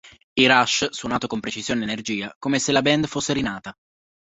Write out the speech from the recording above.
I Rush suonato con precisione e energia, come se la band fosse rinata.